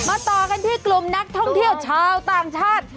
ต่อกันที่กลุ่มนักท่องเที่ยวชาวต่างชาติ